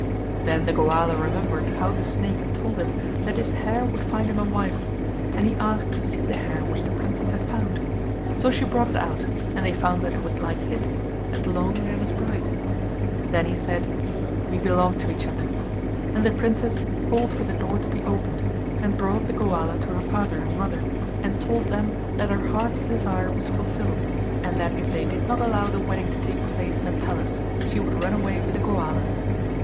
Then the Goala remembered how the snake had told him that his hair would find him a wife and he asked to see the hair which the princess had found, so she brought it out and they found that it was like his, as long and as bright; then he said "We belong to each other" and the princess called for the door to be opened and brought the Goala to her father and mother and told them that her heart's desire was fulfilled and that if they did not allow the wedding to take place in the palace she would run away with the Goala.